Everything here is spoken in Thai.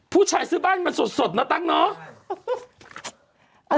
ผู้ชายซื้อบ้านมันสดนะตั้งเนาะ